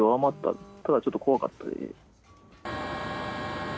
ただ、ちょっと怖かったですね。